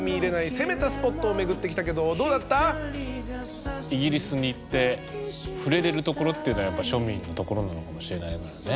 攻めたスポットを巡ってきたけどイギリスに行って触れれるところっていうのはやっぱ庶民のところなのかもしれないからね。